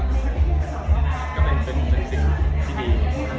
ก็เป็นสิ่งที่ดี